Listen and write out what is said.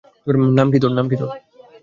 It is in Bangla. নাম কি তোর?